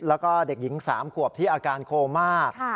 แล้วก็เด็กหญิง๓ขวบที่อาการโคม่า